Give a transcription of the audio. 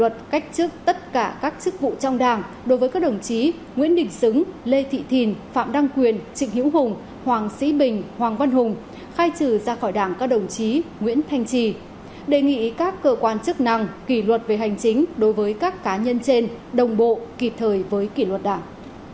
luật cách chức tất cả các chức vụ trong đảng đối với các đồng chí nguyễn đình xứng lê thị thìn phạm đăng quyền trịnh hữu hùng hoàng sĩ bình hoàng văn hùng khai trừ ra khỏi đảng các đồng chí nguyễn thanh trì đề nghị các cơ quan chức năng kỷ luật về hành chính đối với các cá nhân trên đồng bộ kịp thời với kỷ luật đảng